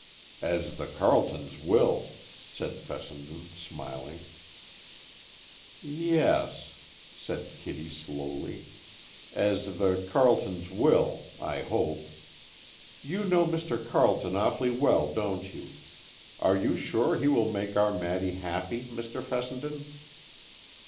"As the Carletons will," said Fessenden, smiling. "Yes," said Kitty slowly, "as the Carletons will—I hope. You know Mr. Carleton awfully well, don't you? Are you sure he will make our Maddy happy, Mr. Fessenden?"